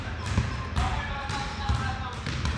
پښتو ژبه زموږ د عزت ژبه ده.